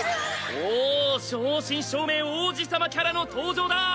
おお正真正銘王子様キャラの登場だ！